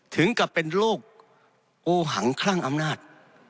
ถึงกับเป็นโรคโกหังคลั่งอำนาจ